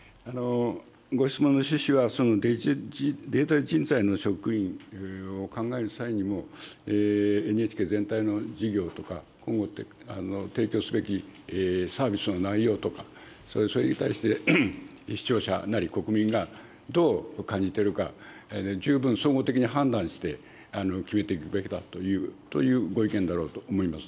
ご質問の趣旨は、デジタル人材の職員を考える際にも、ＮＨＫ全体の事業とか、提供すべきサービスの内容とか、それに対して視聴者なり国民がどう感じているか、十分総合的に判断して決めていくべきだというご意見だろうと思います。